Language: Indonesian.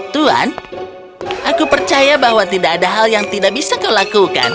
tuan aku percaya bahwa tidak ada hal yang tidak bisa kau lakukan